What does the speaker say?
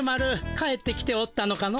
帰ってきておったのかの。